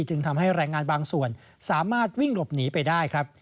จึงทำให้แรงงานบางส่วนสามารถวิ่งหลบหนีไปได้ครับ